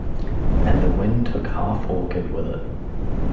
And the wind took half orchard with it.